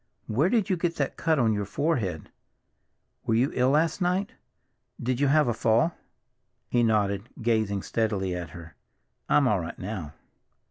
"Where did you get that cut on your forehead? Were you ill last night? Did you have a fall?" He nodded, gazing steadily at her. "I'm all right now."